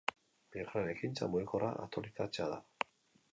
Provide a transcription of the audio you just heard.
Bigarren ekintza, mugikorra aktualizatzea da.